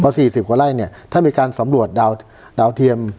สี่สิบกว่าไร่เนี่ยถ้ามีการสำรวจดาวเทียม